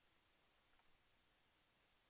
โปรดติดตามต่อไป